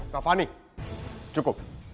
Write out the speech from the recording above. kak fani cukup